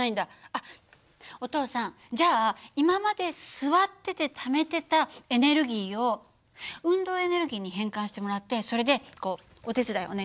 あっお父さんじゃあ今まで座っててためてたエネルギーを運動エネルギーに変換してもらってそれでこうお手伝いお願いします。